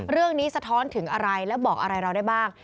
เรื่องนี้สะท้อนถึงอะไรและบอกอะไรเราได้บ้าง